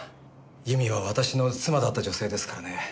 由美は私の妻だった女性ですからね。